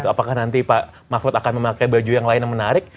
apakah nanti pak mahfud akan memakai baju yang lain yang menarik